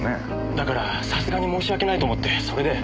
だからさすがに申し訳ないと思ってそれで。